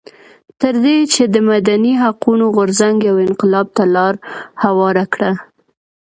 تر دې چې د مدني حقونو غورځنګ یو انقلاب ته لار هواره کړه.